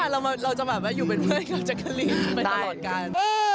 ใช่ค่ะเราจะอยู่เป็นเพื่อนกับแจ๊กลิลไปตลอดกัน